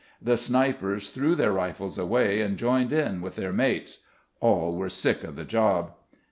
The snipers threw their rifles away and joined in with their mates. All were sick of the job.